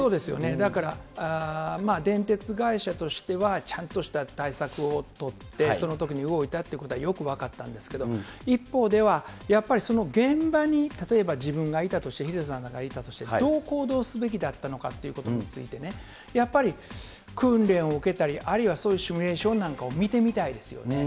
だから、電鉄会社としてはちゃんとした対策を取って、そのときに動いたっていうことはよく分かったんですけれども、一方では、やっぱりその現場に、例えば自分がいたとして、ヒデさんがいたとして、どう行動すべきだったのかということについてね、やっぱり訓練を受けたり、あるいはそういうシミュレーションなんかを見てみたいですよね。